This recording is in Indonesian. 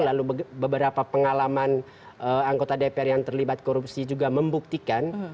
lalu beberapa pengalaman anggota dpr yang terlibat korupsi juga membuktikan